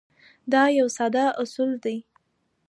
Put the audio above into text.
دا یو ساده اصول دی.